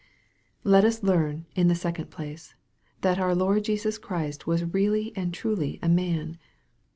Let us learn, in the second place, that our Lord Jesus Christ was really and truly man.